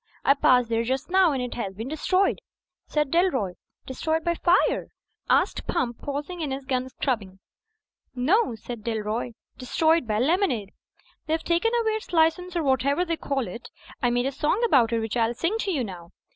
"I passed there just now ; and it has been destroyed," said Dalroy. "Destroyed by fire?" asked Pump, pausing in his gun scrubbing. "No," said Dalroy, "destroyed by lemonade. They've taken away its license or whatever you call it. I made a song about it, which I'll sing to you now